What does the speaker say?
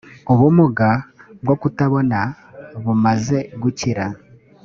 ubumuga bwokutabona bumaze gukira.